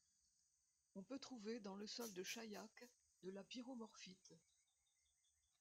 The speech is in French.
On peut trouver dans le sol de Chaillac de la pyromorphite.